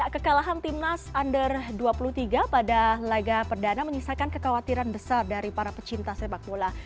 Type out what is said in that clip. kekalahan timnas under dua puluh tiga pada laga perdana menyisakan kekhawatiran besar dari para pecinta sepak bola